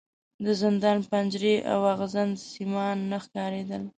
د زندان پنجرې او ازغن سیمان نه ښکارېدل.